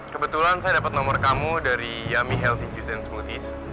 kebetulan saya dapat nomor kamu dari yami healthy juicer